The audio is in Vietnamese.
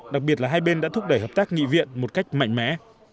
đặc biệt là hai bên đã thúc đẩy hợp tác nghị viện một cách mạnh mẽ